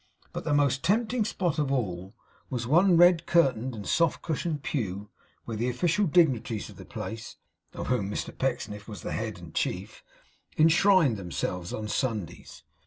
But the most tempting spot of all, was one red curtained and soft cushioned pew, wherein the official dignitaries of the place (of whom Mr Pecksniff was the head and chief) enshrined themselves on Sundays.